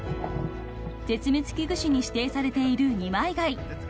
［絶滅危惧種に指定されている二枚貝］